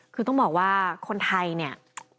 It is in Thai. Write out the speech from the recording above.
คือต้องบอกว่าคนไทยเนี่ย